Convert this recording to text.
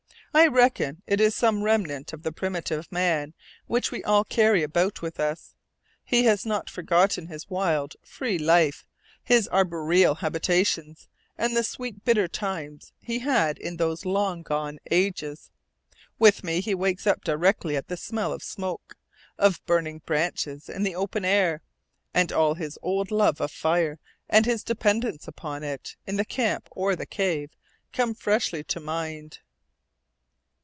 I reckon it is some remnant of the primitive man, which we all carry about with us. He has not yet forgotten his wild, free life, his arboreal habitations, and the sweet bitter times he had in those long gone ages. With me, he wakes up directly at the smell of smoke, of burning branches in the open air; and all his old love of fire and his dependence upon it, in the camp or the cave, come freshly to mind.